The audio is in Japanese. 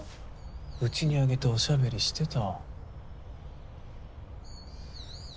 家に上げておしゃべりしてた。